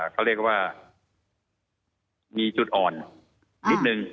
เขาเรียกว่ามีจุดอ่อนนิดนึง